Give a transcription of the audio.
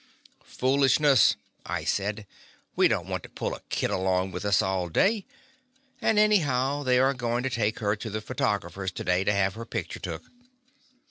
'' "Foolishness," I said. 'We don't want to pull a kid along with us all day; and anyhow, they are going to take her to the photographer's to day to have her picture took."